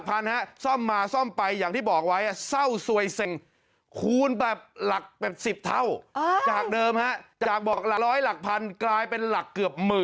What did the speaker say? อ้าวต้องให้แพง